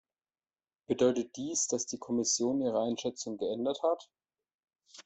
Bedeutet dies, dass die Kommission ihre Einschätzung geändert hat?